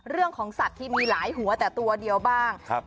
เรื่องของสัตว์ที่มีหลายหัวแต่ตัวเดียวบ้างครับ